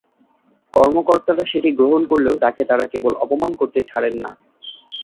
কর্মকর্তারা সেটি গ্রহণ করলেও তাঁকে তাঁরা কেবল অপমান করতে ছাড়েন না।